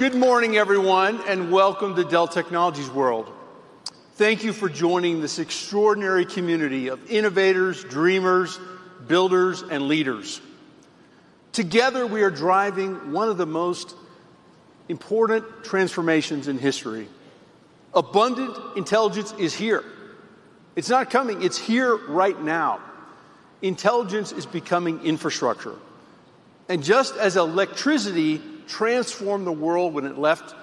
Good morning, everyone, and welcome to Dell Technologies World. Thank you for joining this extraordinary community of innovators, dreamers, builders, and leaders. Together, we are driving one of the most important transformations in history. Abundant intelligence is here. It's not coming. It's here right now. Intelligence is becoming infrastructure, and just as electricity transformed the world when it left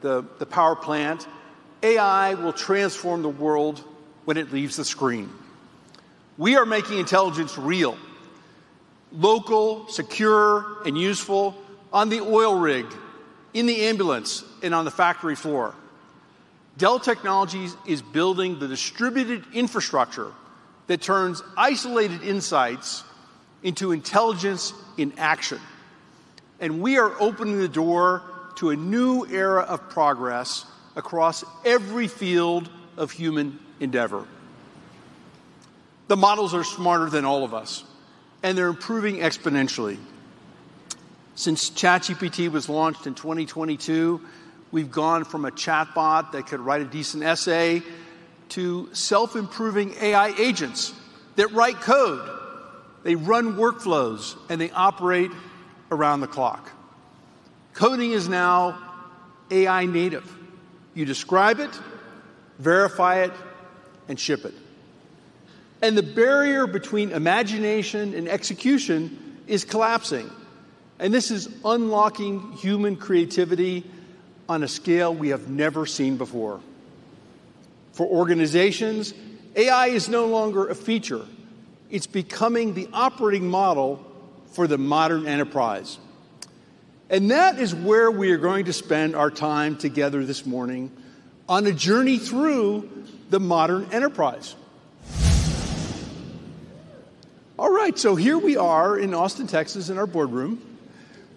the power plant, AI will transform the world when it leaves the screen. We are making intelligence real, local, secure, and useful on the oil rig, in the ambulance, and on the factory floor. Dell Technologies is building the distributed infrastructure that turns isolated insights into intelligence in action, and we are opening the door to a new era of progress across every field of human endeavor. The models are smarter than all of us, and they're improving exponentially. Since ChatGPT was launched in 2022, we've gone from a chatbot that could write a decent essay to self-improving AI agents that write code. They run workflows, they operate around the clock. Coding is now AI native. You describe it, verify it, and ship it. The barrier between imagination and execution is collapsing, and this is unlocking human creativity on a scale we have never seen before. For organizations, AI is no longer a feature. It's becoming the operating model for the modern enterprise, and that is where we are going to spend our time together this morning, on a journey through the modern enterprise. All right, here we are in Austin, Texas, in our boardroom,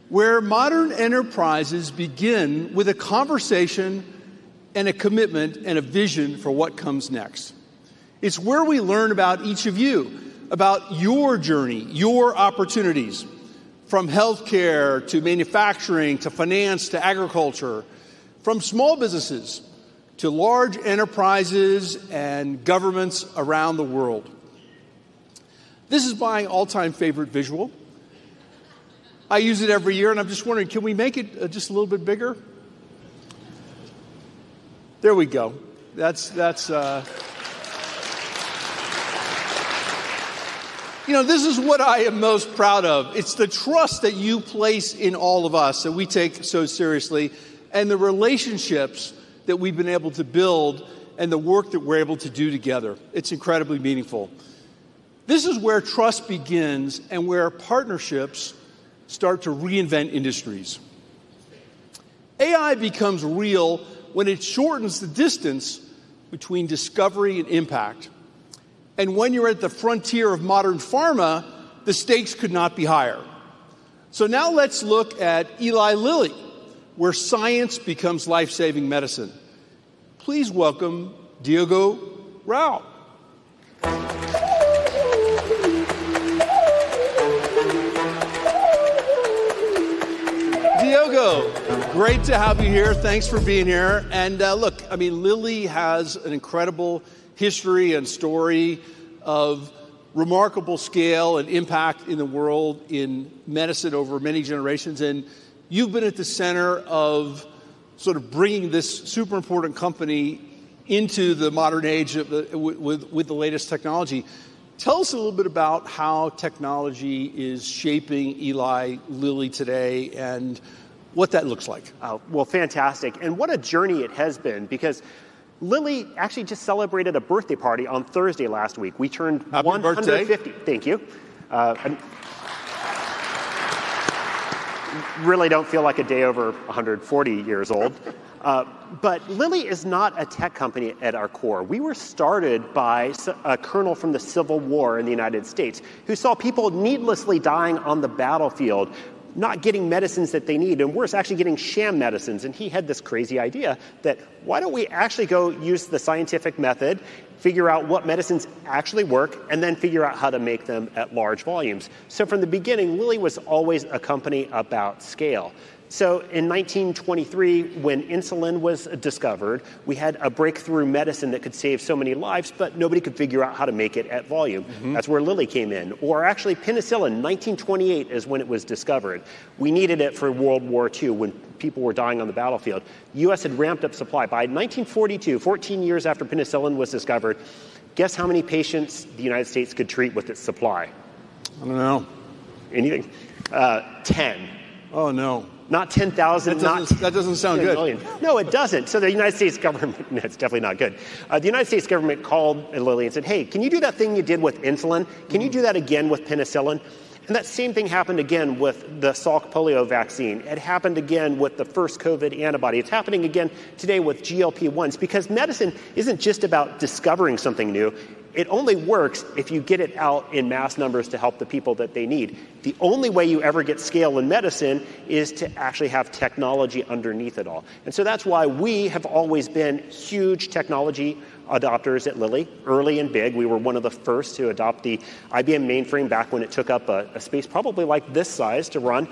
where modern enterprises begin with a conversation and a commitment and a vision for what comes next. It's where we learn about each of you, about your journey, your opportunities, from healthcare to manufacturing to finance to agriculture, from small businesses to large enterprises and governments around the world. This is my all-time favorite visual. I use it every year, and I'm just wondering, can we make it just a little bit bigger? There we go. That's, you know, this is what I am most proud of. It's the trust that you place in all of us, that we take so seriously, and the relationships that we've been able to build and the work that we're able to do together. It's incredibly meaningful. This is where trust begins and where partnerships start to reinvent industries. AI becomes real when it shortens the distance between discovery and impact, and when you're at the frontier of modern pharma, the stakes could not be higher. Now let's look at Eli Lilly, where science becomes life-saving medicine. Please welcome Diogo Rau. Diogo, great to have you here. Thanks for being here, I mean, Lilly has an incredible history and story of remarkable scale and impact in the world in medicine over many generations, and you've been at the center of sort of bringing this super important company into the modern age of the with the latest technology. Tell us a little bit about how technology is shaping Eli Lilly today and what that looks like. Well, fantastic, what a journey it has been because Lilly actually just celebrated a birthday party on Thursday last week. We turned 150. Happy birthday. Thank you. Really don't feel like a day over 140 years old. Lilly is not a tech company at our core. We were started by a colonel from the Civil War in the United States who saw people needlessly dying on the battlefield, not getting medicines that they need, and worse, actually getting sham medicines. He had this crazy idea that, why don't we actually go use the scientific method, figure out what medicines actually work, and then figure out how to make them at large volumes? From the beginning, Lilly was always a company about scale. In 1923, when insulin was discovered, we had a breakthrough medicine that could save so many lives, but nobody could figure out how to make it at volume. That's where Lilly came in, or actually, penicillin. 1928 is when it was discovered. We needed it for World War II when people were dying on the battlefield. U.S. had ramped up supply. By 1942, 14 years after penicillin was discovered, guess how many patients the United States could treat with its supply? I don't know. Anything. 10. Oh, no. Not 10,000. That doesn't sound good. A million. No, it doesn't. No, it's definitely not good. The U.S. government called Eli Lilly and said, "Hey, can you do that thing you did with insulin? Can you do that again with penicillin?" That same thing happened again with the Salk polio vaccine. It happened again with the first COVID antibody. It's happening again today with GLP-1s because medicine isn't just about discovering something new. It only works if you get it out in mass numbers to help the people that they need. The only way you ever get scale in medicine is to actually have technology underneath it all, that's why we have always been huge technology adopters at Lilly, early and big. We were one of the first to adopt the IBM mainframe back when it took up a space probably like this size to run.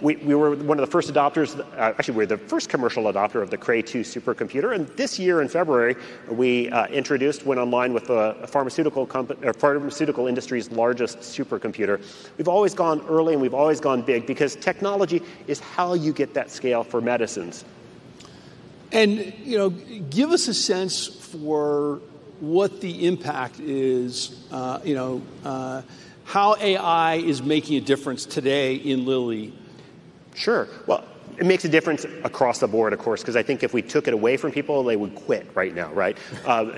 We were one of the first adopters, actually, we were the first commercial adopter of the Cray-2 supercomputer. This year in February, we introduced, went online with a pharmaceutical industry's largest supercomputer. We've always gone early, and we've always gone big because technology is how you get that scale for medicines. You know, give us a sense for what the impact is, you know, how AI is making a difference today in Lilly. Sure. Well, it makes a difference across the board, of course, 'cause I think if we took it away from people, they would quit right now, right?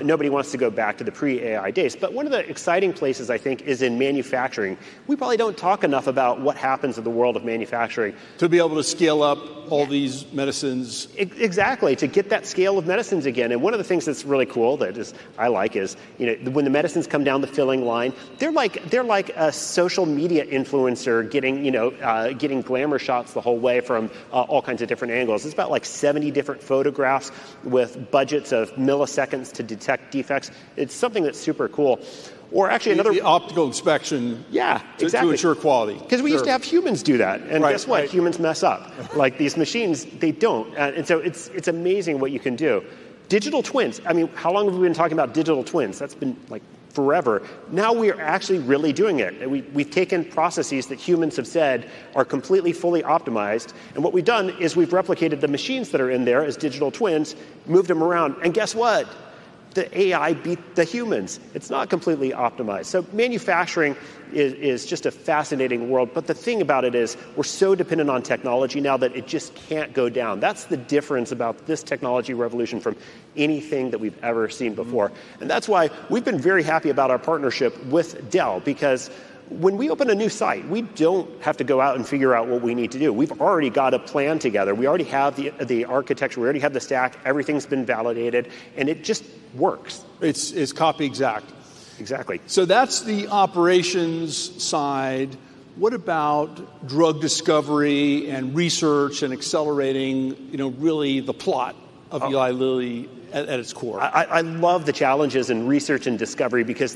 Nobody wants to go back to the pre-AI days. One of the exciting places, I think, is in manufacturing. We probably don't talk enough about what happens in the world of manufacturing. To be able to scale up all these. Yeah Medicines. Exactly, to get that scale of medicines again. One of the things that's really cool that is, I like, is, you know, when the medicines come down the filling line, they're like a social media influencer getting, you know, getting glamour shots the whole way from all kinds of different angles. It's about, like, 70 different photographs with budgets of milliseconds to detect defects. It's something that's super cool. The optical inspection - Yeah, exactly. To ensure quality. Sure. 'Cause we used to have humans do that. Right, right. Guess what? Humans mess up. Like, these machines, they don't. It's amazing what you can do. Digital twins. I mean, how long have we been talking about digital twins? That's been, like, forever. Now we are actually really doing it, and we've taken processes that humans have said are completely fully optimized, and what we've done is we've replicated the machines that are in there as digital twins, moved them around, and guess what? The AI beat the humans. It's not completely optimized. Manufacturing is just a fascinating world, but the thing about it is we're so dependent on technology now that it just can't go down. That's the difference about this technology revolution from anything that we've ever seen before. That's why we've been very happy about our partnership with Dell, because when we open a new site, we don't have to go out and figure out what we need to do. We've already got a plan together. We already have the architecture, we already have the stack. Everything's been validated; it just works. It's copy exact. Exactly. That's the operations side. What about drug discovery and research and accelerating, you know, really the plot of Eli Lilly at its core? I love the challenges in research and discovery because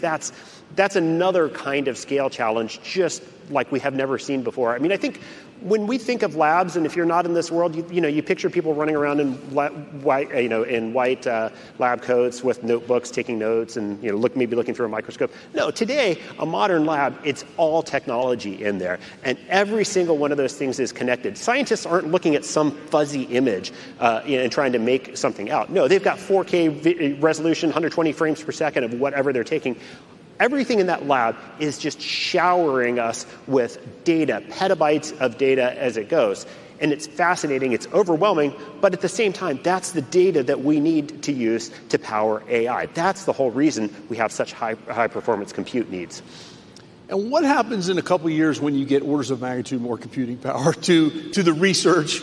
that's another kind of scale challenge, just like we have never seen before. I mean, I think when we think of labs, and if you're not in this world, you know, you picture people running around in white, you know, in white lab coats with notebooks, taking notes, and, you know, maybe looking through a microscope. No, today, a modern lab, it's all technology in there, and every single one of those things is connected. Scientists aren't looking at some fuzzy image, you know, and trying to make something out. No, they've got 4K resolution, 120 Frames Per Second of whatever they're taking. Everything in that lab is just showering us with data, petabytes of data as it goes, and it's fascinating, it's overwhelming, but at the same time, that's the data that we need to use to power AI. That's the whole reason we have such high-performance compute needs. What happens in a couple of years when you get orders of magnitude more computing power to the research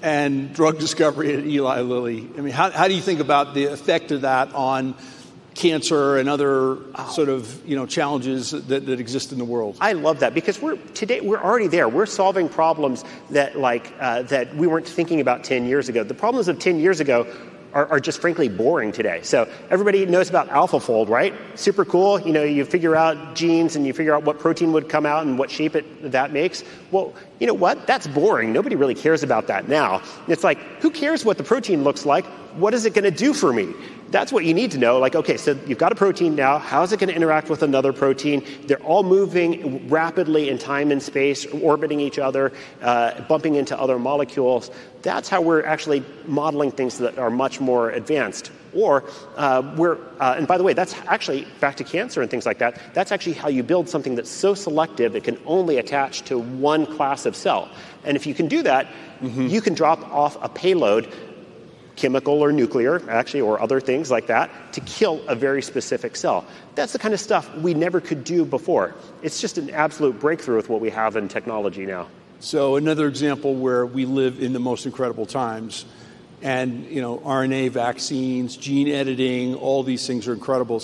and drug discovery at Eli Lilly? I mean, how do you think about the effect of that on cancer and other- Oh. sort of, you know, challenges that exist in the world? I love that because we're, today we're already there. We're solving problems that, like, that we weren't thinking about 10 years ago. The problems of 10 years ago are just frankly boring today. Everybody knows about AlphaFold, right? Super cool. You know, you figure out genes, and you figure out what protein would come out and what shape it that makes. Well, you know what? That's boring. Nobody really cares about that now. It's like, who cares what the protein looks like? What is it gonna do for me? That's what you need to know. Like, okay, you've got a protein now. How is it gonna interact with another protein? They're all moving rapidly in time and space, orbiting each other, bumping into other molecules. That's how we're actually modeling things that are much more advanced. By the way, that's actually, back to cancer and things like that's actually how you build something that's so selective it can only attach to one class of cell. If you can do that- You can drop off a payload, chemical or nuclear, actually, or other things like that, to kill a very specific cell. That's the kind of stuff we never could do before. It's just an absolute breakthrough with what we have in technology now. Another example where we live in the most incredible times and, you know, mRNA vaccines, gene editing, all these things are incredible.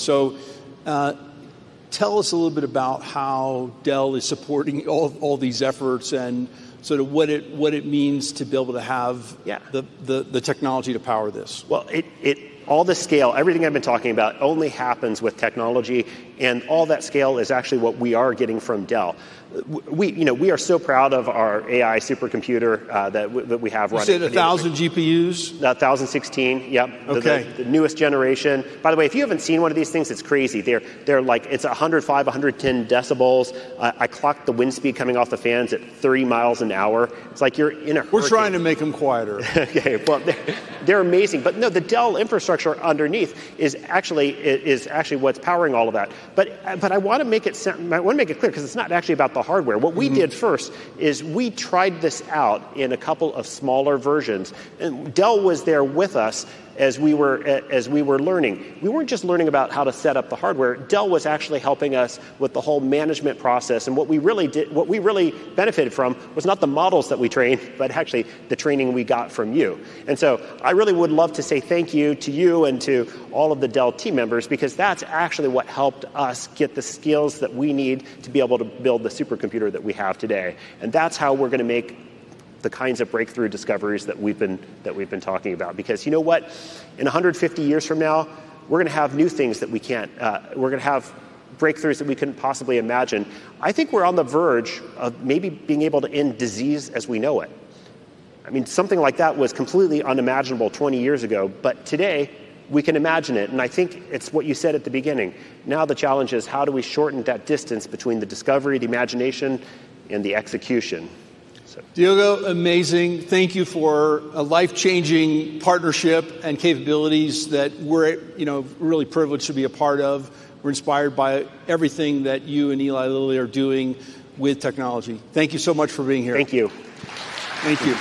Tell us a little bit about how Dell is supporting all these efforts, and sort of what it means? Yeah The technology to power this. Well, it's, all the scale, everything I've been talking about only happens with technology, all that scale is actually what we are getting from Dell. We, you know, we are so proud of our AI supercomputer that we have running. You said 1,000 GPUs? 1,016, GPUs yep. Okay. The newest generation. By the way, if you haven't seen one of these things, it's crazy. They're like it's 105, 110 decibels. I clocked the wind speed coming off the fans at 30 mi an hour. It's like you're in a hurricane. We're trying to make them quieter. Okay. Well, they're amazing. No, the Dell infrastructure underneath is actually what's powering all of that. I wanna make it clear, 'cause it's not actually about the hardware. What we did first is we tried this out in a couple of smaller versions, and Dell was there with us as we were, as we were learning. We weren't just learning about how to set up the hardware. Dell was actually helping us with the whole management process, and what we really benefited from was not the models that we trained, but actually the training we got from you. I really would love to say thank you to you and to all of the Dell team members, because that's actually what helped us get the skills that we need to be able to build the supercomputer that we have today. That's how we're gonna make the kinds of breakthrough discoveries that we've been talking about. Because you know what? In 150 years from now, we're gonna have breakthroughs that we couldn't possibly imagine. I think we're on the verge of maybe being able to end disease as we know it. I mean, something like that was completely unimaginable 20 years ago. Today, we can imagine it. I think it's what you said at the beginning. The challenge is how do we shorten that distance between the discovery, the imagination, and the execution? Diogo, amazing. Thank you for a life-changing partnership and capabilities that we're, you know, really privileged to be a part of. We're inspired by everything that you and Eli Lilly are doing with technology. Thank you so much for being here. Thank you. Thank you.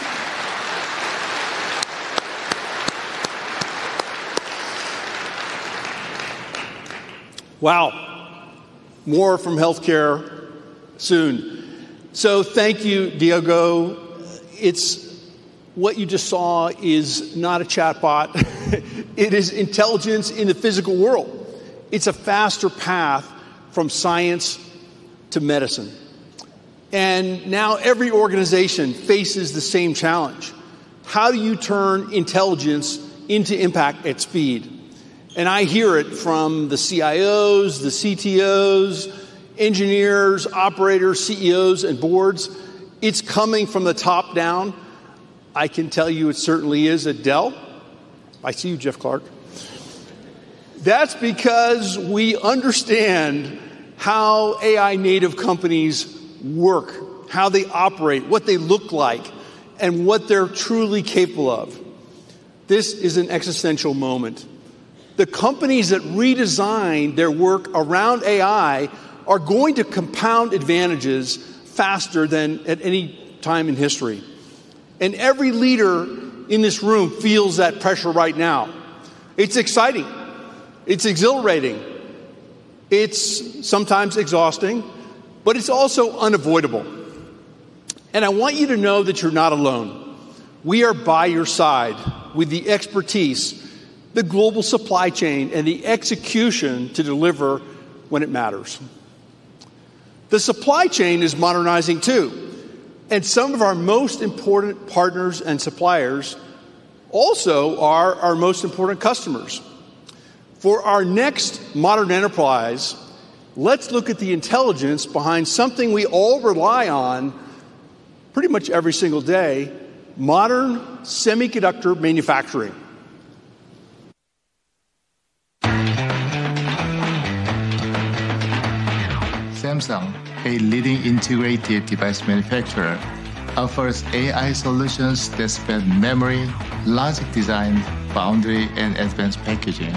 Wow. More from healthcare soon. Thank you, Diogo Rau. What you just saw is not a chatbot; it is intelligence in the physical world. It is a faster path from science to medicine. Now every organization faces the same challenge. How do you turn intelligence into impact at speed? I hear it from the CIOs, the CTOs, Engineers, Operators, CEOs, and Boards. It is coming from the top down. I can tell you it certainly is at Dell. I see you, Jeff Clarke. That is because we understand how AI-native companies work, how they operate, what they look like, and what they are truly capable of. This is an existential moment. The companies that redesign their work around AI are going to compound advantages faster than at any time in history. Every leader in this room feels that pressure right now. It is exciting. It is exhilarating. It's sometimes exhausting, but it's also unavoidable. I want you to know that you're not alone. We are by your side with the expertise, the global supply chain, and the execution to deliver when it matters. The supply chain is modernizing, too. Some of our most important partners and suppliers are also our most important customers. For our next modern enterprise, let's look at the intelligence behind something we all rely on pretty much every single day: modern semiconductor manufacturing. Samsung, a leading integrated device manufacturer, offers AI solutions that span memory, logic design, foundry, and advanced packaging.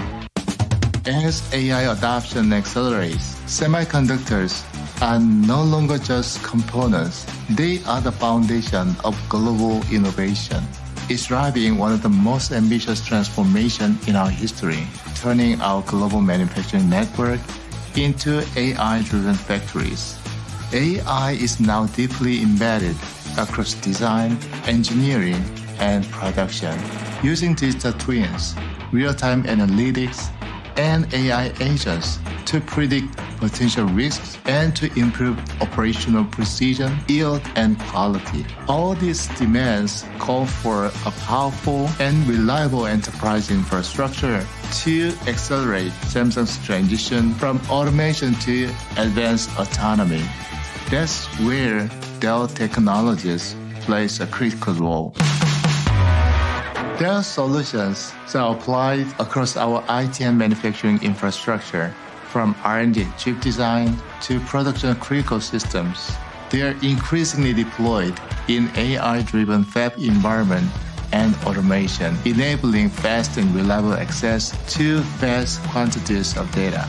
As AI adoption accelerates, semiconductors are no longer just components. They are the foundation of global innovation, driving one of the most ambitious transformations in our history, turning our global manufacturing network into AI-driven factories. AI is now deeply embedded across design, engineering, and production, using digital twins, real-time analytics, and AI agents to predict potential risks and to improve operational precision, yield, and quality. All these demands call for a powerful and reliable enterprise infrastructure to accelerate Samsung's transition from automation to advanced autonomy. That's where Dell Technologies plays a critical role. Their solutions are applied across our IT and manufacturing infrastructure, from R&D chip design to production-critical systems. They are increasingly deployed in AI-driven fab environments and automation, enabling fast and reliable access to vast quantities of data.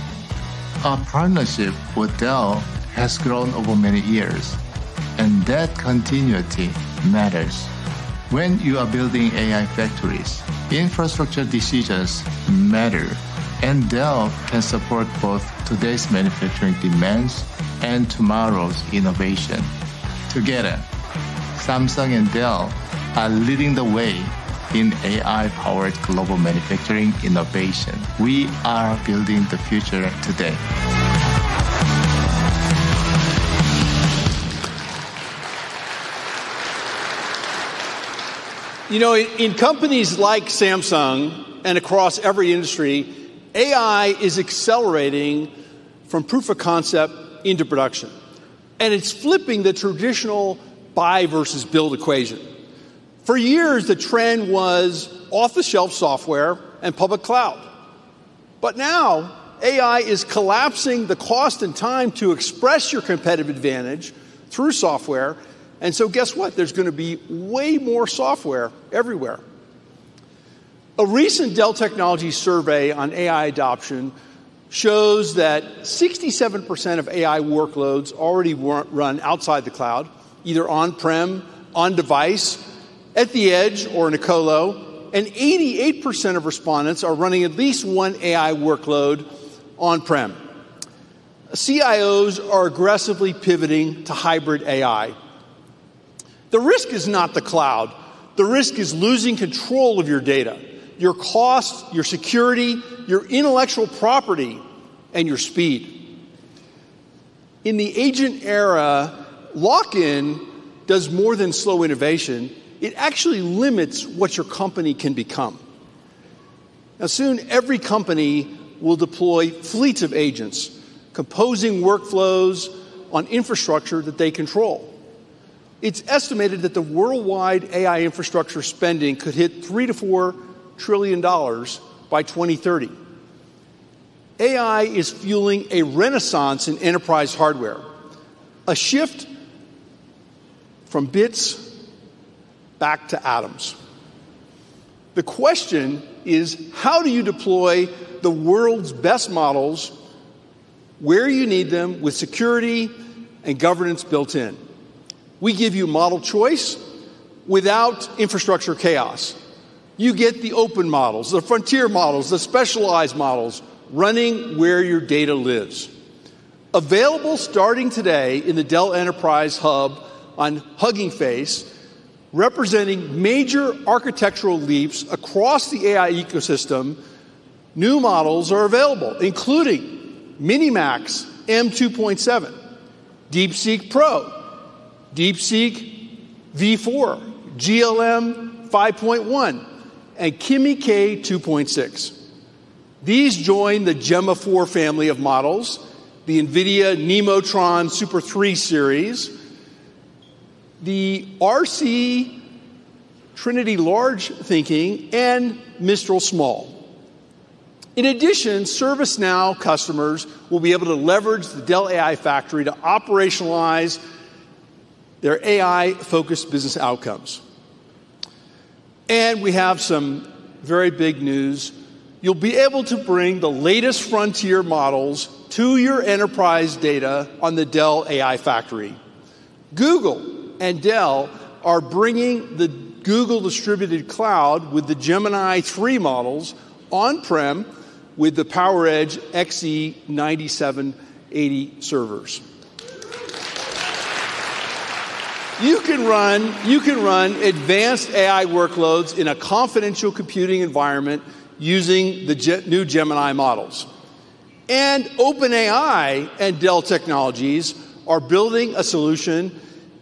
Our partnership with Dell has grown over many years. That continuity matters. When you are building AI factories, infrastructure decisions matter. Dell can support both today's manufacturing demands and tomorrow's innovation. Together, Samsung and Dell are leading the way in AI-powered global manufacturing innovation. We are building the future today. You know, in companies like Samsung and across every industry, AI is accelerating from proof of concept into production, it's flipping the traditional buy versus build equation. For years, the trend was off-the-shelf software and public cloud. Now AI is collapsing the cost and time to express your competitive advantage through software, guess what? There's gonna be way more software everywhere. A recent Dell Technologies survey on AI adoption shows that 67% of AI workloads already run outside the cloud, either on-prem, on-device, at the edge, or in a colo, 88% of respondents are running at least one AI workload on-prem. CIOs are aggressively pivoting to hybrid AI. The risk is not the cloud. The risk is losing control of your data, your cost, your security, your intellectual property, and your speed. In the agent era, lock-in does more than slow innovation. It actually limits what your company can become. Soon, every company will deploy fleets of agents composing workflows on infrastructure that they control. It's estimated that the worldwide AI infrastructure spending could hit $3 trillion-$4 trillion by 2030. AI is fueling a renaissance in enterprise hardware, a shift from bits back to atoms. The question is: how do you deploy the world's best models where you need them with security and governance built in? We give you a model choice without infrastructure chaos. You get the open models, the frontier models, the specialized models running where your data lives. Available starting today in the Dell Enterprise Hub on Hugging Face, representing major architectural leaps across the AI ecosystem, new models are available, including MiniMax M2.7, DeepSeek V4 Pro, DeepSeek V4, GLM-5.1, and Kimi K2.6. These join the Gemma 4 family of models, the NVIDIA Nemotron 3 Super series, the Arcee Trinity Large Thinking, and Mistral Small. In addition, ServiceNow customers will be able to leverage the Dell AI Factory to operationalize their AI-focused business outcomes. We have some very big news. You'll be able to bring the latest frontier models to your enterprise data on the Dell AI Factory. Google and Dell are bringing the Google Distributed Cloud with the Gemini 3 models on-prem with the PowerEdge XE9780 servers. You can run advanced AI workloads in a confidential computing environment using the new Gemini models. OpenAI and Dell Technologies are building a solution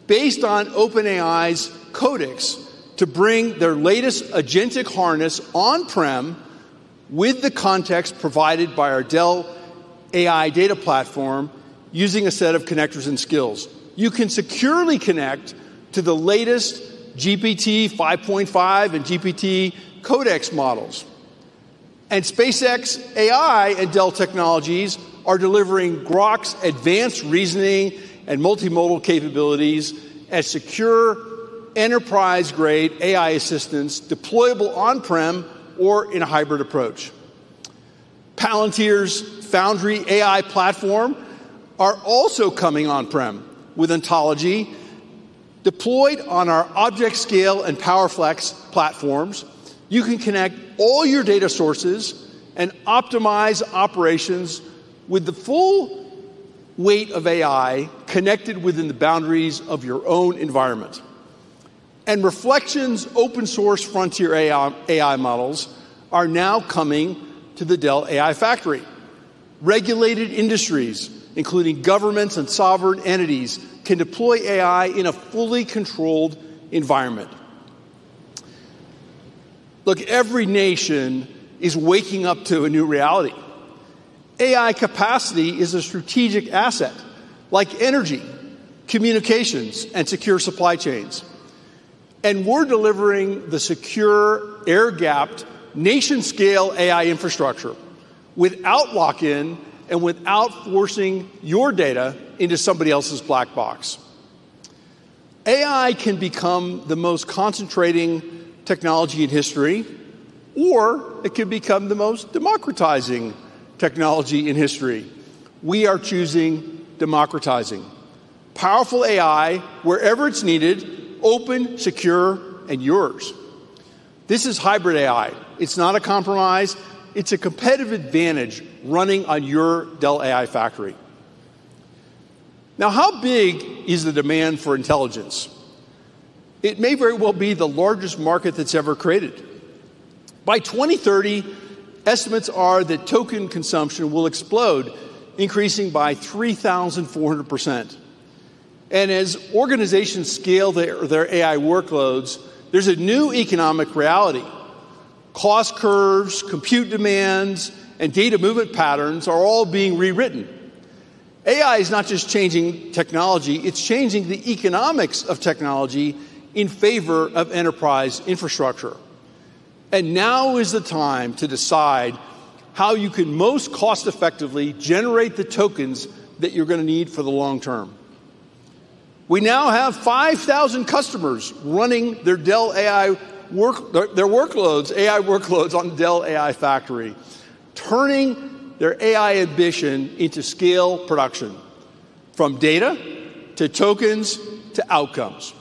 based on OpenAI's Codex to bring their latest agentic harness on-prem with the context provided by our Dell AI Data Platform using a set of connectors and skills. You can securely connect to the latest GPT-5.5 and GPT-Codex models. xAI and Dell Technologies are delivering Grok's advanced reasoning and multimodal capabilities as secure enterprise-grade AI assistants deployable on-prem or in a hybrid approach. Palantir's Foundry AI platform are also coming on-prem with Ontology deployed on our ObjectScale and PowerFlex platforms. You can connect all your data sources and optimize operations with the full weight of AI connected within the boundaries of your own environment. Reflection AI's open source frontier AI models are now coming to the Dell AI Factory. Regulated industries, including governments and sovereign entities, can deploy AI in a fully controlled environment. Look, every nation is waking up to a new reality. AI capacity is a strategic asset like energy, communications, and secure supply chains. We're delivering the secure air-gapped nation-scale AI infrastructure without lock-in and without forcing your data into somebody else's black box. AI can become the most concentrating technology in history, or it could become the most democratizing technology in history. We are choosing democratizing. Powerful AI wherever it's needed, open, secure, and yours. This is a hybrid AI. It's not a compromise. It's a competitive advantage running on your Dell AI Factory. How big is the demand for intelligence? It may very well be the largest market that's ever created. By 2030, estimates are that token consumption will explode, increasing by 3,400%. As organizations scale their AI workloads, there's a new economic reality. Cost curves, compute demands, and data movement patterns are all being rewritten. AI is not just changing technology; it's changing the economics of technology in favor of enterprise infrastructure. Now is the time to decide how you can most cost-effectively generate the tokens that you're gonna need for the long term. We now have 5,000 customers running their workloads, AI workloads on Dell AI Factory, turning their AI ambition into scale production from data to tokens to outcomes.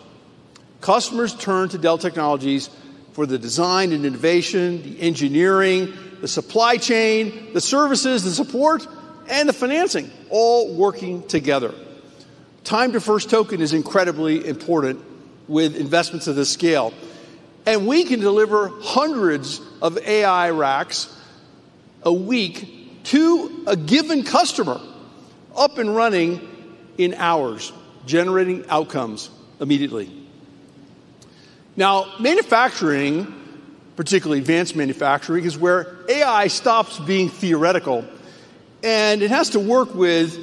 Customers turn to Dell Technologies for the design and innovation, the engineering, the supply chain, the services, the support, and the financing, all working together. Time to first token is incredibly important with investments of this scale. We can deliver 100s of AI racks a week to a given customer, up and running in hours, generating outcomes immediately. Now, manufacturing, particularly advanced manufacturing, is where AI stops being theoretical, and it has to work with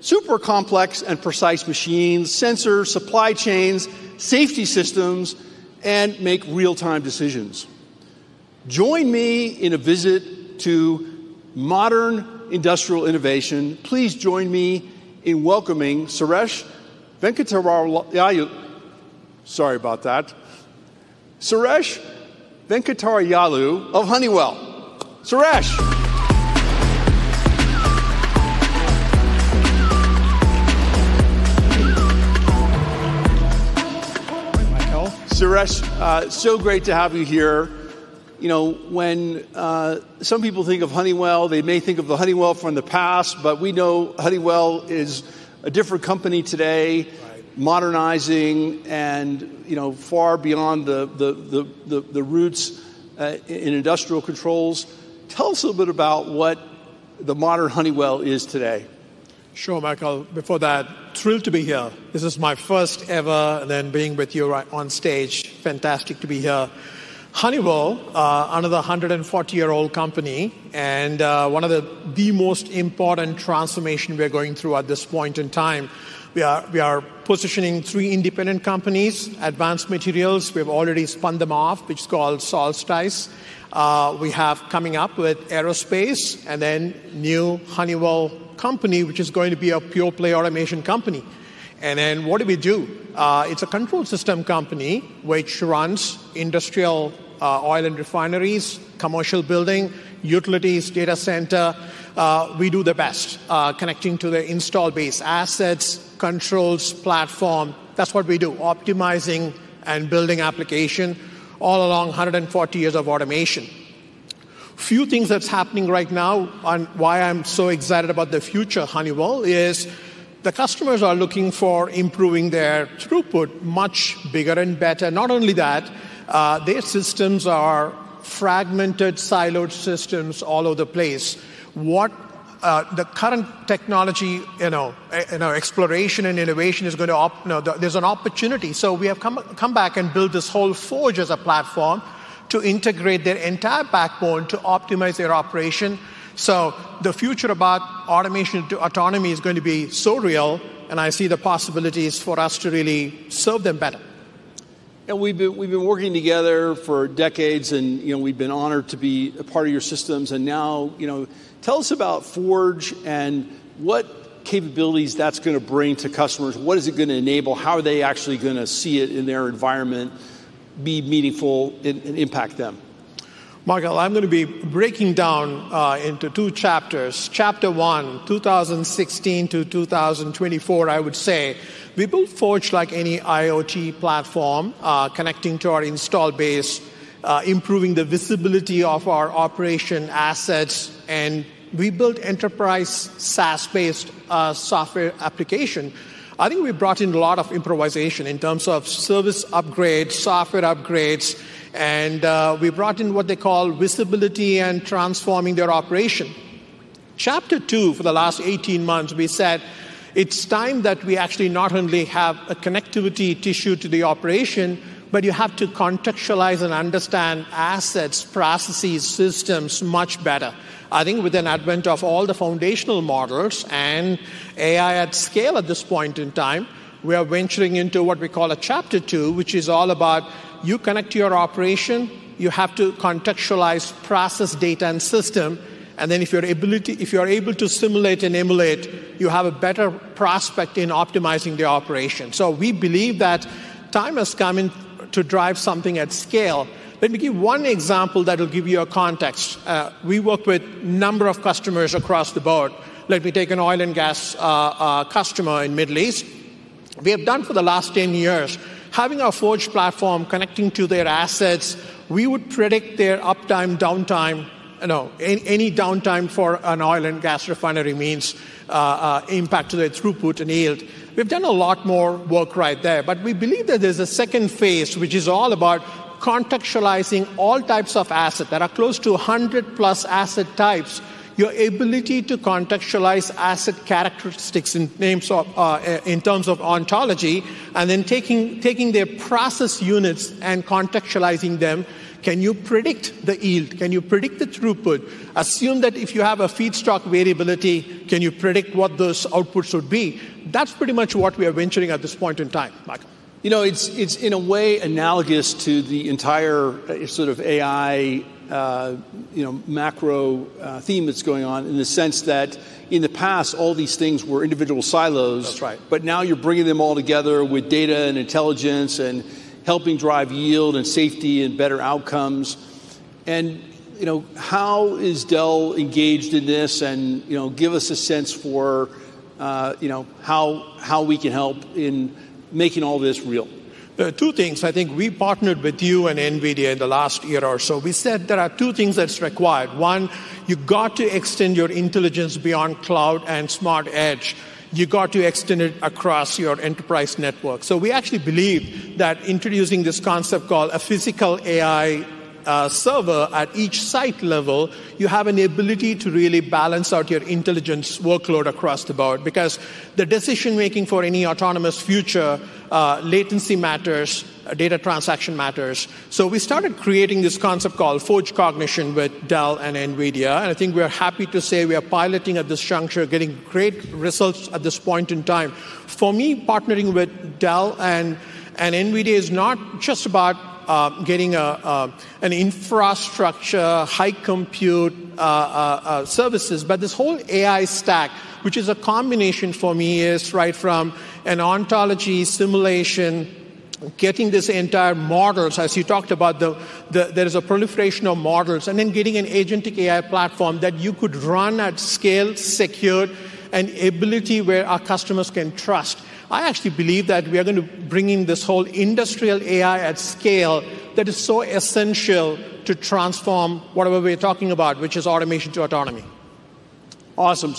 super complex and precise machines, sensors, supply chains, safety systems, and make real-time decisions. Join me in a visit to modern industrial innovation. Please join me in welcoming, sorry about that, Suresh Venkatarayalu of Honeywell. Suresh. Hi, Michael. Suresh, great to have you here. You know, when some people think of Honeywell, they may think of the Honeywell from the past. We know Honeywell is a different company today. Right modernizing and, you know, far beyond the roots, in industrial controls. Tell us a bit about what the modern Honeywell is today. Sure, Michael. Before that, thrilled to be here. This is my first ever, being with you right on stage, fantastic to be here. Honeywell, another 140-year-old company, one of the most important transformations we are going through at this point in time. We are positioning three independent companies, advanced materials. We've already spun them off, which is called Solstice. We have coming up with aerospace new Honeywell company, which is going to be a pure-play automation company. What do we do? It's a control system company which runs industrial, oil and refineries, commercial buildings, utilities, and data centers. We do the best, connecting to the install base, assets, controls, platform. That's what we do, optimizing and building applications all along 140 years of automation. Few things that are happening right now on why I'm so excited about the future of Honeywell is: the customers are looking for improving their throughput much bigger and better. Not only that, their systems are fragmented, siloed systems all over the place. What, the current technology, you know, exploration and innovation is gonna, you know, there's an opportunity. We have come back and built this whole Forge as a platform to integrate their entire backbone to optimize their operation. The future about automation to autonomy is going to be so real, and I see the possibilities for us to really serve them better. We've been working together for decades and, you know, we've been honored to be a part of your systems. Now, you know, tell us about Forge and what capabilities that's gonna bring to customers. What is it gonna enable? How are they actually gonna see it in their environment, be meaningful, and impact them? Michael, I'm gonna be breaking down into two chapters. Chapter one, 2016 to 2024, I would say. We built Forge like any IoT platform, connecting to our install base, improving the visibility of our operation assets, and we built enterprise SaaS-based software application. I think we brought in a lot of improvisation in terms of service upgrades, software upgrades, and we brought in what they call visibility and transforming their operation. Chapter two, for the last 18 months, we said it's time that we actually not only have a connectivity tissue to the operation, but you have to contextualize and understand assets, processes, systems much better. I think with the advent of all the foundational models and AI at scale at this point in time, we are venturing into what we call a chapter two, which is all about you connect to your operation, you have to contextualize process data and system, and then if you are able to simulate and emulate, you have a better prospect in optimizing the operation. We believe that the time has come to drive something at scale. Let me give one example that will give you a context. We work with a number of customers across the board. Let me take an oil and gas customer in the Middle East. We have done for the last 10 years, having our Forge platform connecting to their assets, we would predict their uptime, downtime, you know, any downtime for an oil and gas refinery means impact to their throughput and yield. We've done a lot more work right there. We believe that there's a 2nd phase, which is all about contextualizing all types of assets. There are close to 100+ asset types. Your ability to contextualize asset characteristics in terms of ontology and then taking their process units and contextualizing them, can you predict the yield? Can you predict the throughput? Assume that if you have a feedstock variability, can you predict what those outputs would be? That's pretty much what we are venturing at this point in time, Michael. You know, it's in a way analogous to the entire sort of AI, you know, macro, theme that's going on in the sense that in the past, all these things were individual silos. That's right. Now you're bringing them all together with data and intelligence and helping drive yield and safety and better outcomes. You know, how is Dell engaged in this, and, you know, give us a sense for, you know, how we can help in making all this real. There are two things. I think we partnered with you and NVIDIA in the last year or so. We said there are two things that are required. One, you've got to extend your intelligence beyond cloud and smart edge. You've got to extend it across your enterprise network. We actually believe that introducing this concept, called a physical AI server at each site level, you have the ability to really balance out your intelligence workload across the board. Because the decision-making for any autonomous future, latency matters, and data transactions matter. We started creating this concept called Forge Cognition with Dell and NVIDIA, and I think we are happy to say we are piloting at this juncture, getting great results at this point in time. For me, partnering with Dell and NVIDIA is not just about getting an infrastructure, high compute services, but this whole AI stack, which is a combination for me, is right from an ontology simulation, getting these entire models. As you talked about, there is a proliferation of models, and then getting an agentic AI platform that you could run at scale, secured, and ability where our customers can trust. I actually believe that we are going to bring in this whole industrial AI at scale that is so essential to transform whatever we're talking about, which is automation to autonomy. Awesome.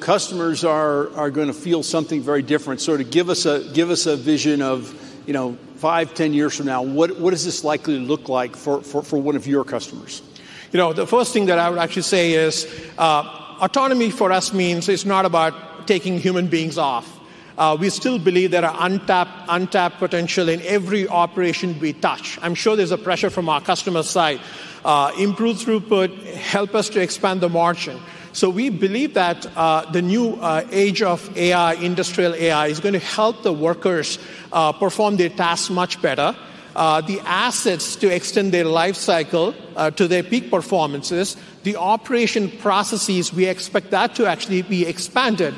Customers are gonna feel something very different. Sort of give us a vision of, you know, 5-10 years from now. What is this likely to look like for one of your customers? You know, the first thing that I would actually say is, autonomy for us means it's not about taking human beings off. We still believe there are untapped potential in every operation we touch. I'm sure there's pressure from our customer side. Improve throughput, help us to expand the margin. We believe that the new age of AI, industrial AI, is gonna help the workers perform their tasks much better. The assets to extend their life cycle, to their peak performances, the operation processes, we expect that to actually be expanded.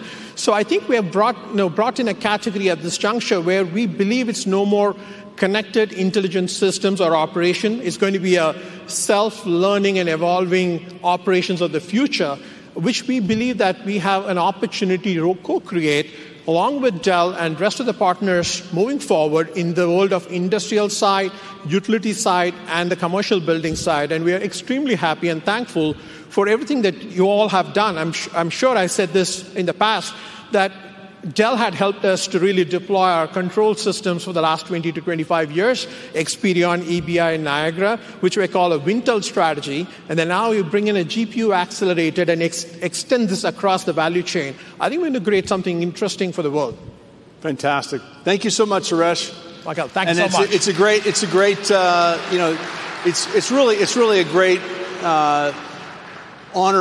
I think we have, you know, brought in a category at this juncture where we believe it's no more connected intelligent systems or operation. It's going to be a self-learning and evolving operation of the future, which we believe that we have an opportunity to co-create along with Dell and the rest of the partners moving forward in the world of industrial side, utility side, and commercial building side, and we are extremely happy and thankful for everything that you all have done. I'm sure I said this in the past, that Dell had helped us to really deploy our control systems for the last 20-25 years, Experion, EBI, Niagara, which we call a Wintel strategy, and then now you bring in a GPU accelerator and extend this across the value chain. I think we're gonna create something interesting for the world. Fantastic. Thank you so much, Suresh. Michael, thank you so much. It's a great, you know, it's really a great honor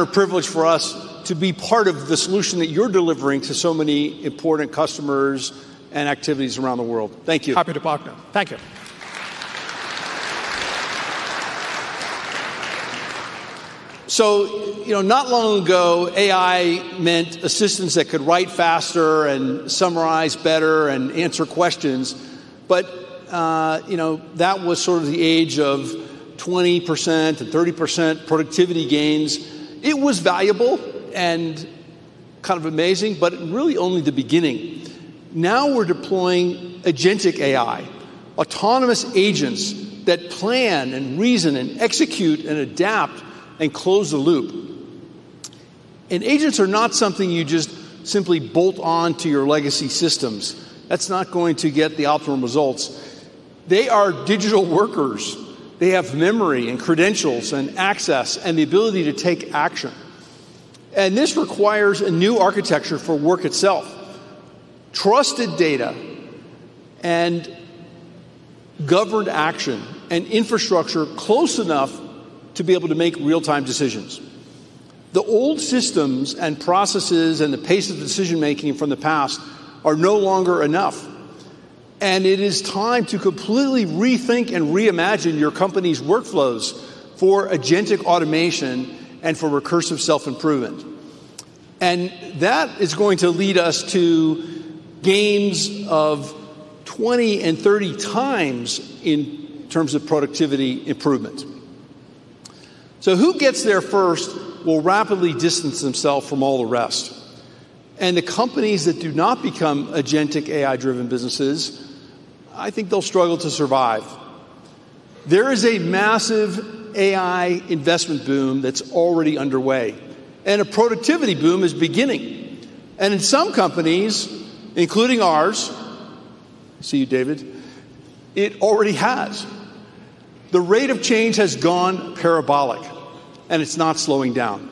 and privilege for us to be part of the solution that you're delivering to so many important customers and activities around the world. Thank you. Happy to partner. Thank you. You know, not long ago, AI meant assistants that could write faster, and summarize better, and answer questions. You know, that was sort of the age of 20% and 30% productivity gains. It was valuable and kind of amazing, but really only the beginning. Now we're deploying agentic AI, autonomous agents that plan and reason and execute and adapt and close the loop. Agents are not something you just simply bolt on to your legacy systems. That's not going to get the optimum results. They are digital workers. They have memory, and credentials, and access, and the ability to take action. This requires a new architecture for work itself, trusted data, and governed action and infrastructure close enough to be able to make real-time decisions. The old systems and processes and the pace of decision-making from the past are no longer enough, and it is time to completely rethink and reimagine your company's workflows for agentic automation and for recursive self-improvement. That is going to lead us to gains of 20x and 30x in terms of productivity improvement. Who gets there first will rapidly distance themselves from all the rest. The companies that do not become agentic AI-driven businesses, I think they will struggle to survive. There is a massive AI investment boom that's already underway, and a productivity boom is beginning. In some companies, including ours, I see you, David, it already has. The rate of change has gone parabolic, and it's not slowing down.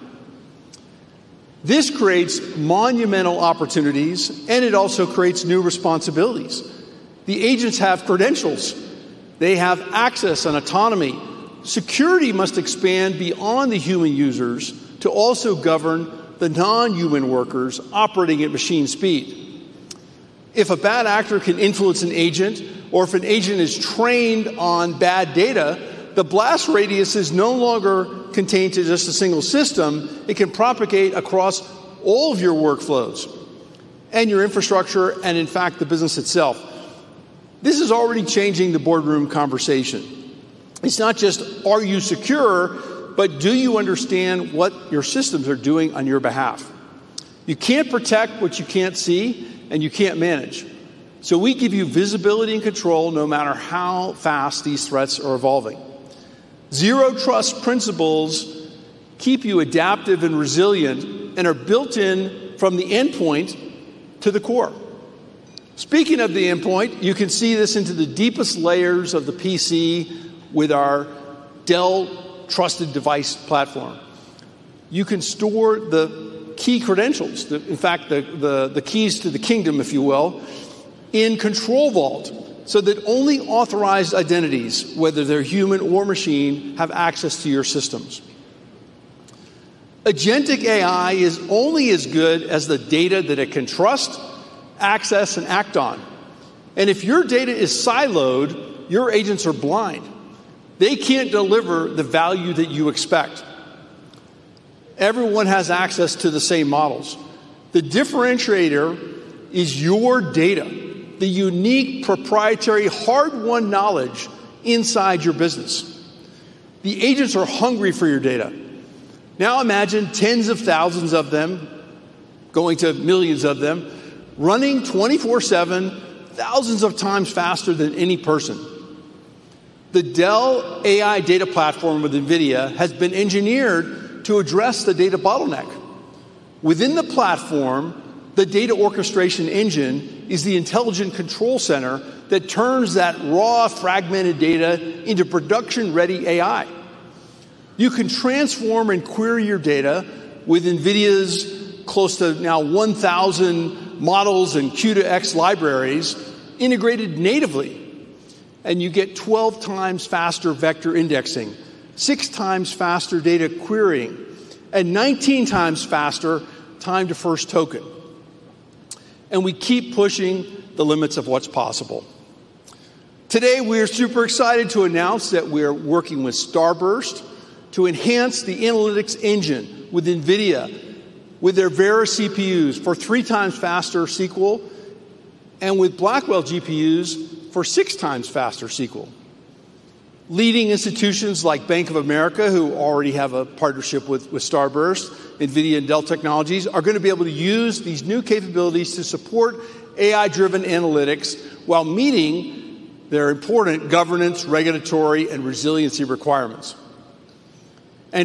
This creates monumental opportunities, and it also creates new responsibilities. The agents have credentials. They have access and autonomy. Security must expand beyond the human users to also govern the non-human workers operating at machine speed. If a bad actor can influence an agent or if an agent is trained on bad data, the blast radius is no longer contained to just a single system. It can propagate across all of your workflows and your infrastructure and, in fact, the business itself. This is already changing the boardroom conversation. It's not just are you secure, but do you understand what your systems are doing on your behalf? You can't protect what you can't see, and you can't manage. We give you visibility and control, no matter how fast these threats are evolving. Zero trust principles keep you adaptive and resilient and are built in from the endpoint to the core. Speaking of the endpoint, you can see this into the deepest layers of the PC with our Dell Trusted Device. You can store the key credentials, the keys to the kingdom, if you will, in Dell ControlVault so that only authorized identities, whether they are human or machine, have access to your systems. agentic AI is only as good as the data that it can trust, access, and act on. If your data is siloed, your agents are blind. They can't deliver the value that you expect. Everyone has access to the same models. The differentiator is your data, the unique proprietary hard-won knowledge inside your business. The agents are hungry for your data. Now imagine tens of thousands of them, going to millions of them, running 24/7 thousands of times faster than any person. The Dell AI Data Platform with NVIDIA has been engineered to address the data bottleneck. Within the platform, the data orchestration engine is the intelligent control center that turns that raw, fragmented data into production-ready AI. You can transform and query your data with NVIDIA's close to now 1,000 models, and Q2X libraries integrated natively. You get 12x faster vector indexing, 6x faster data querying, and 19x faster time to first token. We keep pushing the limits of what's possible. Today, we're super excited to announce that we're working with Starburst to enhance the analytics engine with NVIDIA, with their various CPUs for 3x faster SQL and with Blackwell GPUs for 6x faster SQL. Leading institutions like Bank of America, who already have a partnership with Starburst, NVIDIA, and Dell Technologies, are gonna be able to use these new capabilities to support AI-driven analytics while meeting their important governance, regulatory, and resiliency requirements.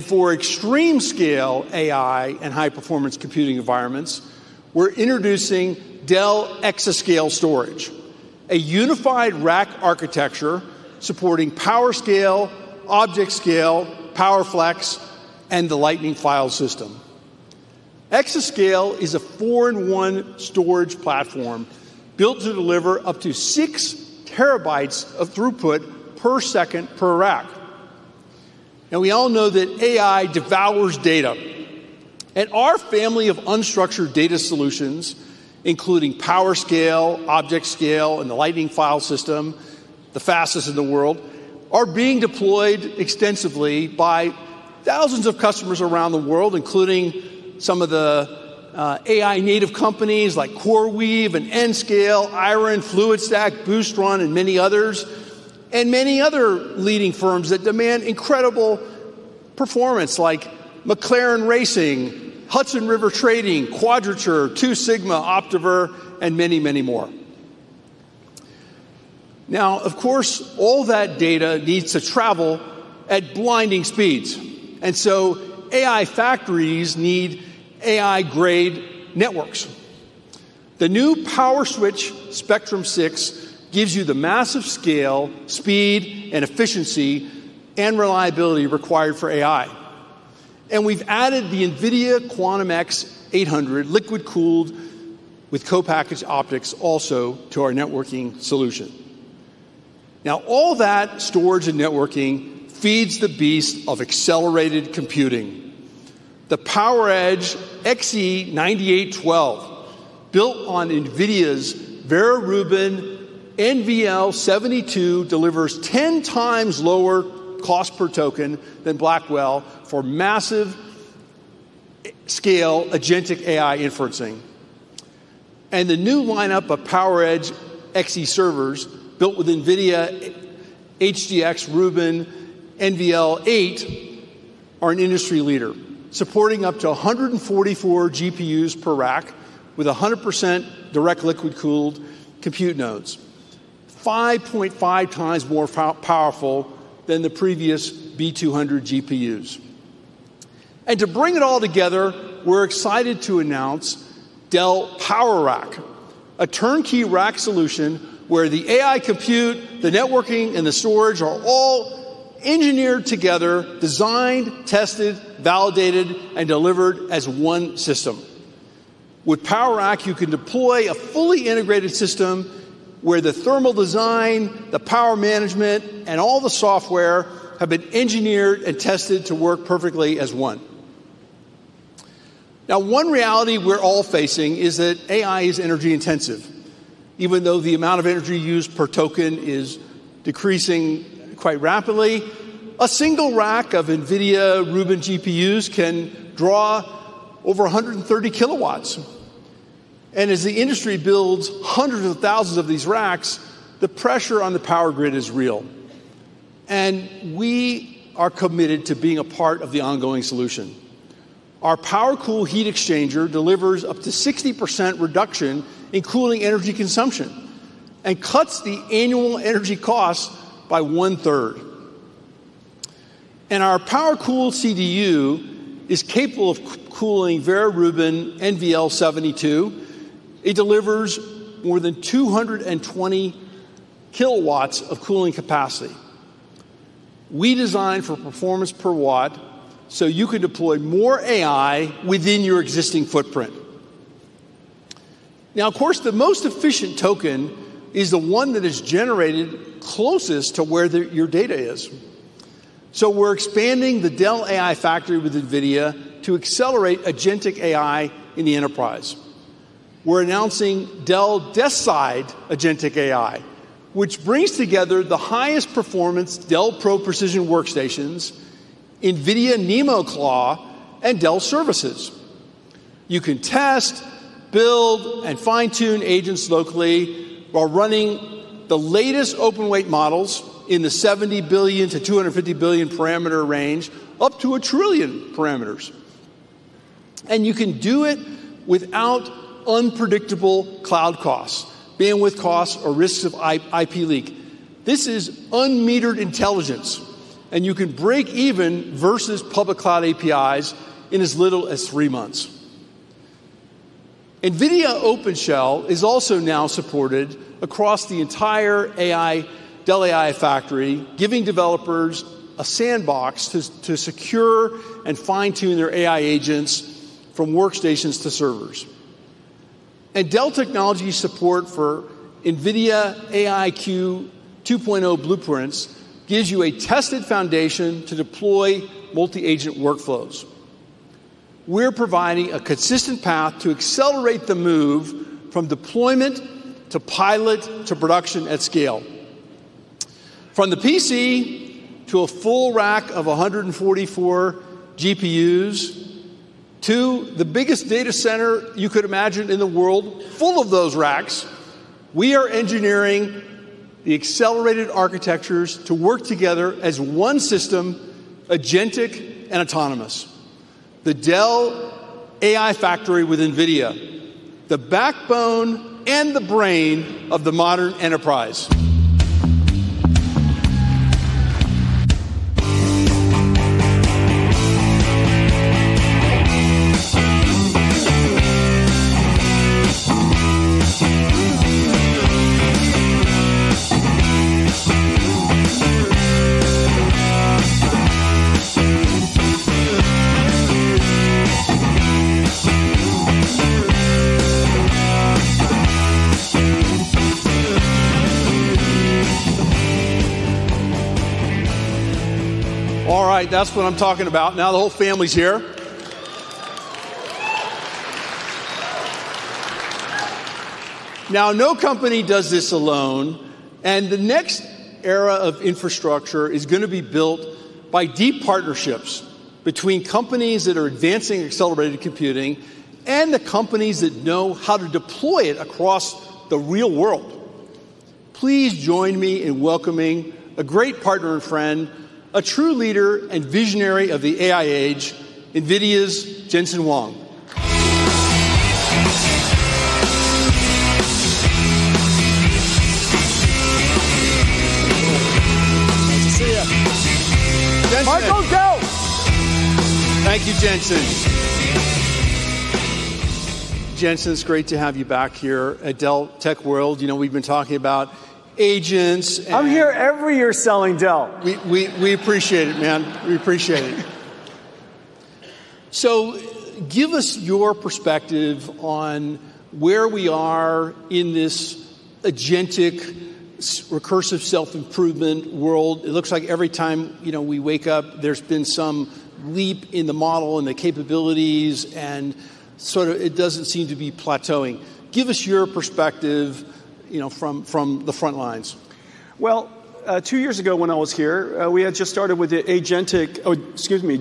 For extreme-scale AI and high-performance computing environments, we're introducing Dell Exascale Storage, a unified rack architecture supporting PowerScale, ObjectScale, PowerFlex, and the Lightning File System. Exascale is a four-in-one storage platform built to deliver up to 6 TB of throughput per second per rack. We all know that AI devours data, and our family of unstructured data solutions, including PowerScale, ObjectScale, and the Lightning File System, the fastest in the world, are being deployed extensively by thousands of customers around the world, including some of the AI-native companies like CoreWeave, Nscale, IREN, FluidStack, Boost Run, and many others, and many other leading firms that demand incredible performance like McLaren Racing, Hudson River Trading, Quadrature, Two Sigma, Optiver, and many, many more. Of course, all that data needs to travel at blinding speeds, and so AI factories need AI-grade networks. The new PowerSwitch Spectrum-X gives you the massive scale, speed, and efficiency, and reliability required for AI. We've added the NVIDIA Quantum-X800 liquid-cooled with co-packaged optics also to our networking solution. All that storage and networking feeds the beast of accelerated computing. The PowerEdge XE9812, built on NVIDIA's Vera Rubin NVL72, delivers 10x lower cost per token than Blackwell for massive scale agentic AI inferencing. The new lineup of PowerEdge XE servers built with NVIDIA HGX Rubin NVL8 are an industry leader, supporting up to 144 GPUs per rack with 100% direct liquid-cooled compute nodes, 5.5x more powerful than the previous B200 GPUs. To bring it all together, we're excited to announce Dell PowerRack, a turnkey rack solution where the AI compute, the networking, and the storage are all engineered together, designed, tested, validated, and delivered as one system. With PowerRack, you can deploy a fully integrated system where the thermal design, the power management, and all the software have been engineered and tested to work perfectly as one. Now, one reality we're all facing is that AI is energy-intensive. Even though the amount of energy used per token is decreasing quite rapidly, a single rack of NVIDIA Rubin GPUs can draw over 130 kW. As the industry builds hundreds of thousands of these racks, the pressure on the power grid is real. We are committed to being a part of the ongoing solution. Our PowerCool heat exchanger delivers up to 60% reduction in cooling energy consumption and cuts the annual energy cost by 1/3. Our PowerCool CDU is capable of cooling Vera Rubin NVL72. It delivers more than 220 kW of cooling capacity. We design for performance per watt so you can deploy more AI within your existing footprint. Now, of course, the most efficient token is the one that is generated closest to where your data is. We're expanding the Dell AI Factory with NVIDIA to accelerate agentic AI in the enterprise. We're announcing Dell Deskside Agentic AI, which brings together the highest performance Dell Pro Precision workstations, NVIDIA NemoClaw, and Dell services. You can test, build, and fine-tune agents locally while running the latest open-weight models in the 70 billion-250 billion parameter range up to 1 trillion parameters. You can do it without unpredictable cloud costs, bandwidth costs, or risks of IP leak. This is unmetered intelligence, and you can break even versus public cloud APIs in as little as three months. NVIDIA OpenShell is also now supported across the entire Dell AI Factory, giving developers a sandbox to secure and fine-tune their AI agents from workstations to servers. Dell Technologies' support for NVIDIA AI-Q 2.0 blueprints gives you a tested foundation to deploy multi-agent workflows. We're providing a consistent path to accelerate the move from deployment to pilot to production at scale. From the PC to a full rack of 144 GPUs to the biggest data center you could imagine in the world, full of those racks, we are engineering the accelerated architectures to work together as one system, agentic and autonomous. The Dell AI Factory with NVIDIA, the backbone and the brain of the modern enterprise. All right, that's what I'm talking about. Now the whole family's here. Now, no company does this alone, the next era of infrastructure is gonna be built by deep partnerships between companies that are advancing accelerated computing and the companies that know how to deploy it across the real world. Please join me in welcoming a great partner and friend, a true leader and visionary of the AI age, NVIDIA's Jensen Huang. Nice to see you. Jensen. Michael Dell. Thank you, Jensen. Jensen, it's great to have you back here at Dell Tech World. You know, we've been talking about agents and. I'm here every year selling Dell. We appreciate it, man. We appreciate it. Give us your perspective on where we are in this agentic recursive self-improvement world. It looks like every time, you know, we wake up, there's been some leap in the model and the capabilities, and sort of it doesn't seem to be plateauing. Give us your perspective, you know, from the front lines. Well, two years ago, when I was here, we had just started with the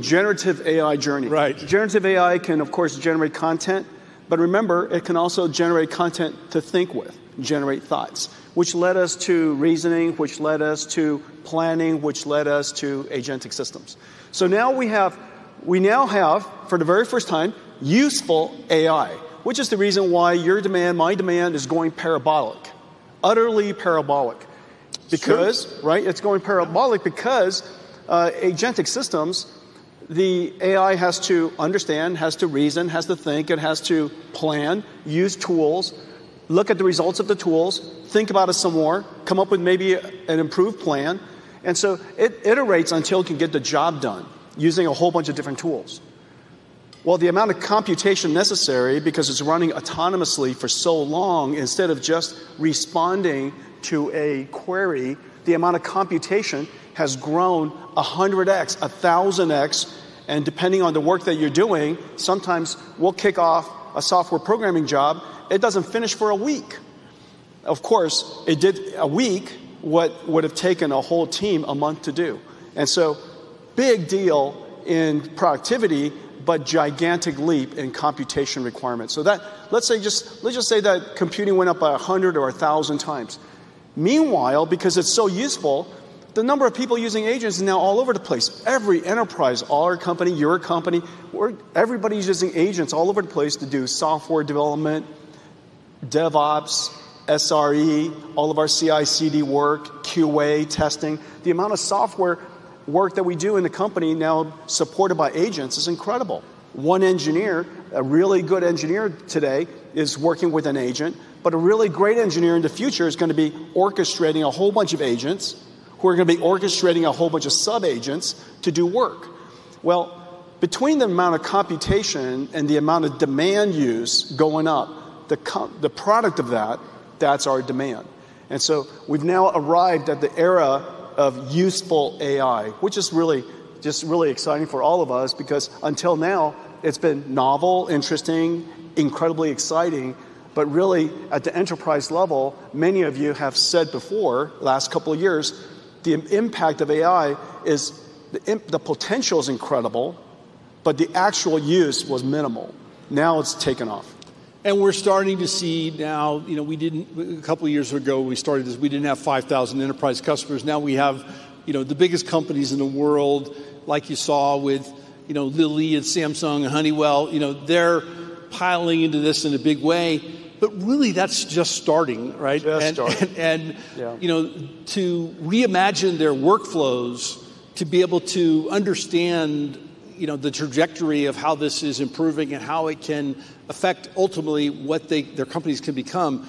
generative AI journey. Right. Generative AI can, of course, generate content; remember, it can also generate content to think with, generate thoughts, which led us to reasoning, which led us to planning, which led us to agentic systems. Now we have, for the very first time, useful AI, which is the reason why your demand, my demand, is going parabolic. Utterly parabolic. It's true. Right? It is going parabolic because agentic AI, the AI has to understand, has to reason, has to think, it has to plan, use tools, look at the results of the tools, think about it some more, come up with maybe an improved plan. It iterates until it can get the job done using a whole bunch of different tools. Well, the amount of computation necessary because it is running autonomously for so long, instead of just responding to a query, the amount of computation has grown 100x, 1,000x, and depending on the work that you are doing, sometimes we will kick off a software programming job, it doesn't finish for a week. Of course, it did a week what would've taken a whole team a month to do. Big deal in productivity, but a gigantic leap in computation requirements. Let's just say that computing went up by 100x or 1,000x. Meanwhile, because it's so useful, the number of people using agents is now all over the place. Every enterprise, our company, your company, everybody's using agents all over the place to do software development, DevOps, SRE, all of our CI/CD work, QA testing. The amount of software work that we do in the company, now supported by agents, is incredible. One engineer, a really good engineer today, is working with an agent. A really great engineer in the future is gonna be orchestrating a whole bunch of agents who are gonna be orchestrating a whole bunch of sub-agents to do work. Between the amount of computation and the amount of demand use going up, the product of that's our demand. We've now arrived at the era of useful AI, which is really just really exciting for all of us because until now it's been novel, interesting, incredibly exciting. Really, at the enterprise level, many of you have said before, the last couple of years, the impact of AI is the potential is incredible, but the actual use was minimal. Now it's taken off. We're starting to see now, you know, a couple of years ago, when we started this, we didn't have 5,000 enterprise customers. Now we have, you know, the biggest companies in the world, like you saw with, you know, Lilly, and Samsung, and Honeywell. You know, they're piling into this in a big way. Really, that's just starting, right? Just starting. And, and- Yeah You know, to reimagine their workflows to be able to understand, you know, the trajectory of how this is improving and how it can affect ultimately what they, their companies can become,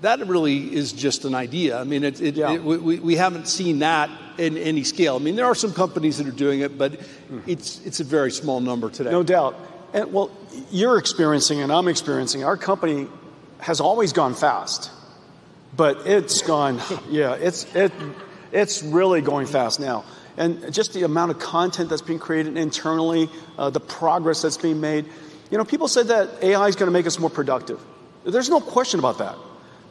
that really is just an idea. Yeah We haven't seen that in any scale. I mean, there are some companies that are doing it. it's a very small number today. No doubt. Well, you're experiencing, and I'm experiencing, our company has always gone fast. Yeah. It's really going fast now. Just the amount of content that's being created internally, the progress that's being made. You know, people said that AI's gonna make us more productive. There's no question about that.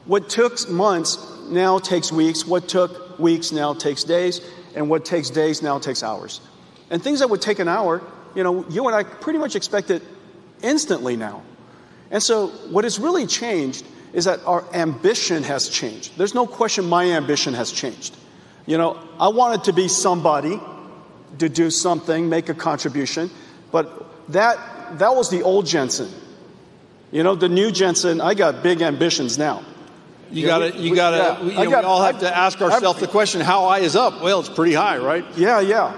What took months now takes weeks. What took weeks now takes days, and what takes days now takes hours. Things that would take an hour, you know, you and I pretty much expect it instantly now. What has really changed is that our ambition has changed. There's no question my ambition has changed. You know, I wanted to be somebody, to do something, make a contribution, but that was the old Jensen. You know, the new Jensen, I've got big ambitions now. You gotta, you gotta- Yeah. We all have to ask ourselves the question, how high is up? Well, it's pretty high, right? Yeah, yeah.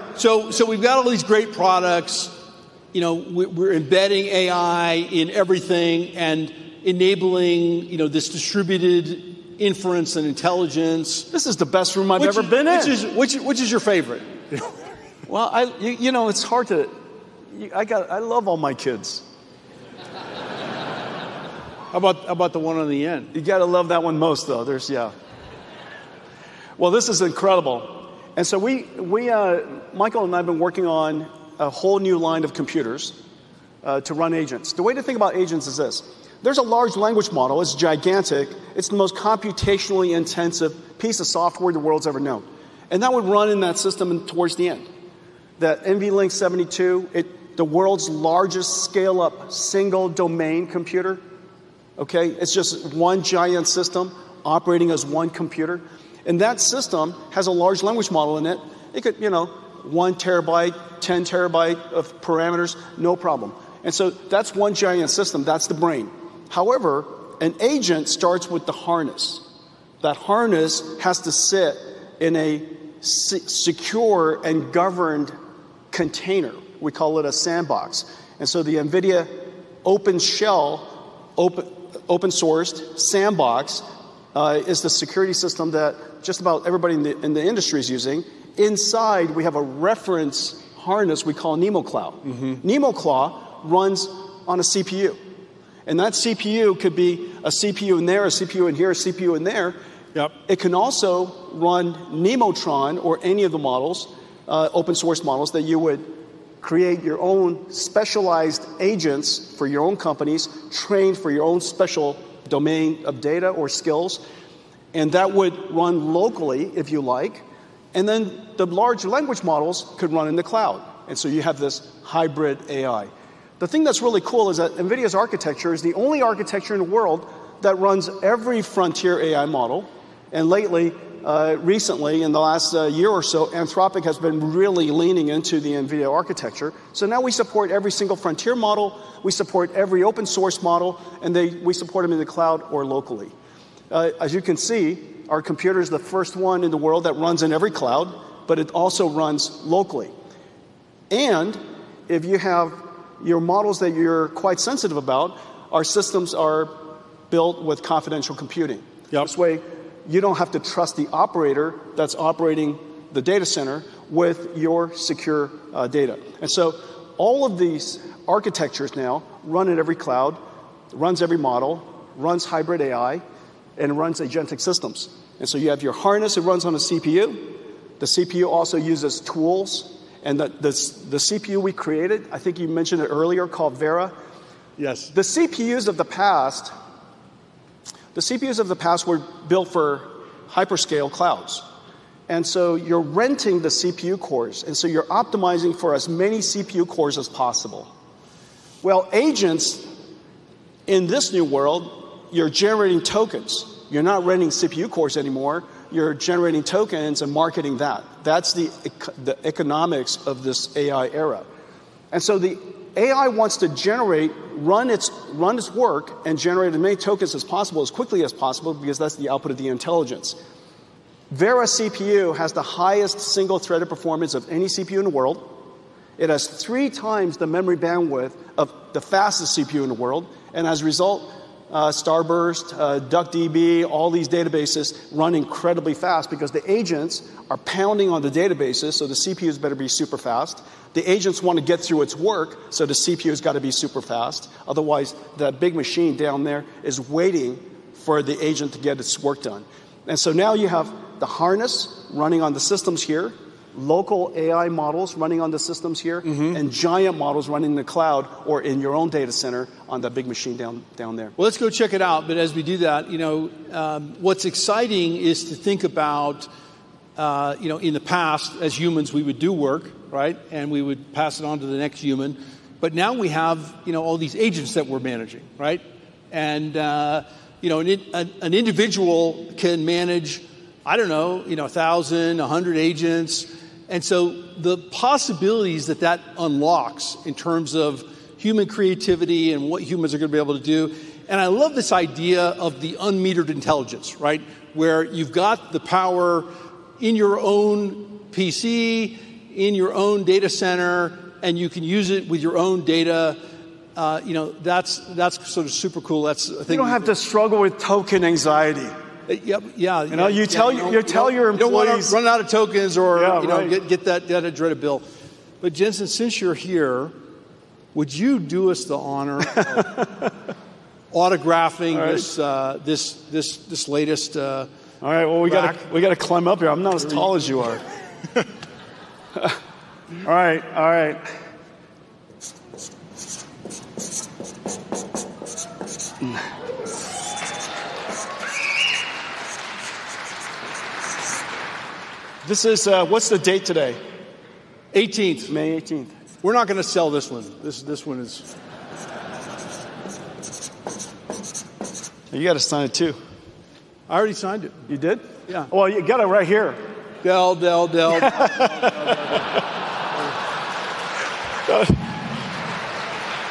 We've got all these great products. You know, we're embedding AI in everything and enabling, you know, this distributed inference and intelligence. This is the best room I've ever been in. Which is your favorite? Well, you know, it's hard to, I love all my kids. How about the one on the end? You gotta love that one most though. Yeah. Well, this is incredible. We, Michael and I have been working on a whole new line of computers to run agents. The way to think about agents is this. There's a large language model. It's gigantic. It's the most computationally intensive piece of software the world has ever known. That would run in that system towards the end. That NVLink 72, the world's largest scale-up single domain computer, okay? It's just one giant system operating as one computer, and that system has a large language model in it. It could, you know, 1 TB, 10 TB of parameters, no problem. That's one giant system. That's the brain. However, an agent starts with the harness. That harness has to sit in a secure and governed container. We call it a sandbox. The NVIDIA OpenShell, open-sourced sandbox, is the security system that just about everybody in the industry is using. Inside, we have a reference harness we call NVIDIA NeMo. NVIDIA NeMo runs on a CPU, and that CPU could be a CPU in there, a CPU in here, a CPU in there. Yep. It can also run Nemotron or any of the models, open-source models that you would create your own specialized agents for your own companies, trained for your own special domain of data or skills, and that would run locally if you like. The large language models could run in the cloud. You have this Hybrid AI. The thing that's really cool is that NVIDIA's architecture is the only architecture in the world that runs every frontier AI model, and lately, recently, in the last year or so, Anthropic has been really leaning into the NVIDIA architecture. Now we support every single frontier model, we support every open-source model, we support them in the cloud or locally. As you can see, our computer is the first one in the world that runs in every cloud, but it also runs locally. If you have your models that you're quite sensitive about, our systems are built with confidential computing. Yep. This way, you don't have to trust the operator that's operating the data center with your secure data. All of these architectures now run in every cloud, run every model, run hybrid AI, and run agentic systems. You have your harness that runs on a CPU. The CPU also uses tools. The CPU we created, I think you mentioned it earlier, called Vera. Yes. The CPUs of the past were built for hyperscale clouds. You're renting the CPU cores; you're optimizing for as many CPU cores as possible. Well, agents in this new world, you're generating tokens. You're not renting CPU cores anymore. You're generating tokens and marketing that. That's the economics of this AI era. The AI wants to generate, run its work, and generate as many tokens as possible as quickly as possible because that's the output of the intelligence. Vera CPU has the highest single-threaded performance of any CPU in the world. It has three times the memory bandwidth of the fastest CPU in the world. As a result, Starburst, DuckDB, all these databases run incredibly fast because the agents are pounding on the databases, so the CPUs better be super fast. The agents want to get through its work, so the CPU's got to be super fast; otherwise, the big machine down there is waiting for the agent to get its work done. Now you have the harness running on the systems here, local AI models running on the systems here. Giant models running the cloud or in your own data center on that big machine down there. Well, let's go check it out. As we do that, you know, what's exciting is to think about, you know, in the past, as humans, we would do work, right? We would pass it on to the next human. Now we have, you know, all these agents that we're managing, right? You know, an individual can manage, I don't know, you know, 1,000, 100 agents. The possibilities that that unlocks in terms of human creativity and what humans are gonna be able to do, and I love this idea of the unmetered intelligence, right? Where you've got the power in your own PC, in your own data center, and you can use it with your own data. You know, that's sort of super cool. You don't have to struggle with token anxiety. Yep, yeah. You know, you tell your employees. You don't wanna run out of tokens. Yeah, right. You know, get that dreaded bill. Jensen, since you're here, would you do us the honor of autographing this - All right. This latest - All right. Well. rack? We gotta climb up here. I'm not as tall as you are. All right. All right. This is what's the date today? 18th. May 18th. We're not gonna sell this one. This one is. You gotta sign it too. I already signed it. You did? Yeah. Well, you got it right here. Dell, Dell. Dell, Dell.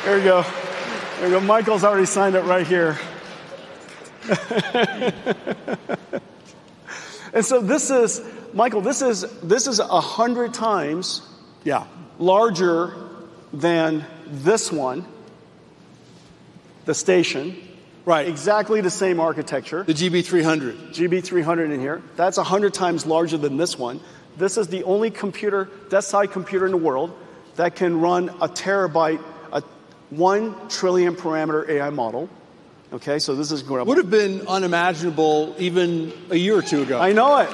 There we go. There we go. Michael's already signed it right here. This is, Michael, this is 100x. Yeah Larger than this one, the station. Right. Exactly the same architecture. The GB200. GB200 in here. That's 100x larger than this one. This is the only computer, desk-side computer in the world that can run a terabyte, a 1 trillion parameter AI model. Okay, this is incredible. Would've been unimaginable even a year or two ago. I know it.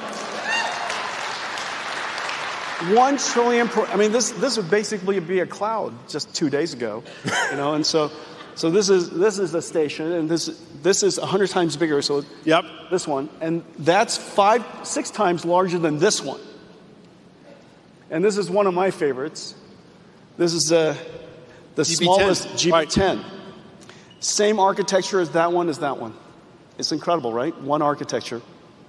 1 trillion, I mean, this would basically be a cloud just two days ago. You know? So, this is a station, and this is 100x bigger. Yep. This one. That's 5x, 6x larger than this one. This is one of my favorites. This is the smallest- GB10 GB10. Same architecture as that one. It's incredible, right? One architecture.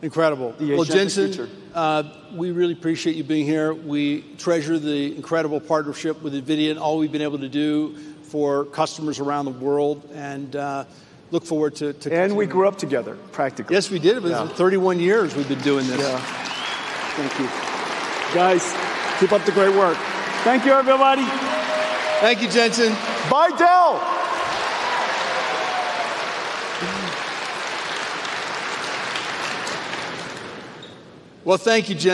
Incredible. The agent of the future. Well, Jensen, we really appreciate you being here. We treasure the incredible partnership with NVIDIA and all we've been able to do for customers around the world, and look forward to. We grew up together, practically. Yes, we did. Yeah. It's been 31 years that we've been doing this. Yeah. Thank you. Guys, keep up the great work. Thank you, everybody. Thank you, Jensen. Buy Dell. Well, thank you.